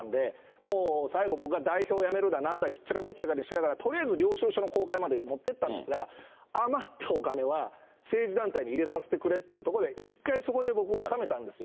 もう最後、僕が代表辞めるだなんだしっちゃかめっちゃかでしたから、とりあえず領収書の公開まで持ってたんですが、余ったお金は、政治団体に入れさせてくれっていうところで、一回そこで僕収めたんですよ。